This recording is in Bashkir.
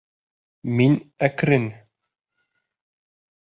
Мин әкрен!